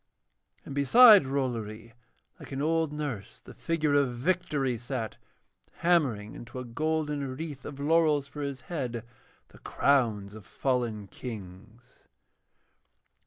And beside Rollory, like an old nurse, the figure of Victory sat, hammering into a golden wreath of laurels for his head the crowns of fallen Kings.